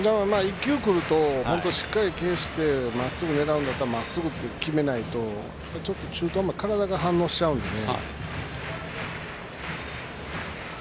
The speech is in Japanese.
１球来るとしっかり消してまっすぐを狙うんだったらまっすぐって決めないとちょっと中途半端に体が反応しちゃうので。